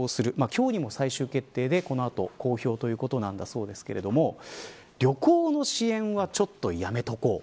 今日にも最終決定でこの後公表ということなんだそうですが旅行の支援はちょっとやめておこう。